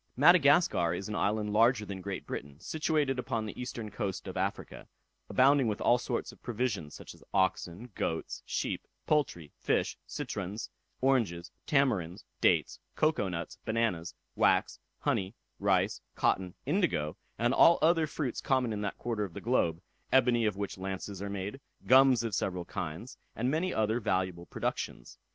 Madagascar is an island larger than Great Britain, situated upon the eastern coast of Africa, abounding with all sorts of provisions, such as oxen, goats, sheep, poultry, fish, citrons, oranges, tamarinds, dates, cocoa nuts, bananas, wax, honey, rice, cotton, indigo, and all other fruits common in that quarter of the globe; ebony of which lances are made, gums of several kinds, and many other valuable productions.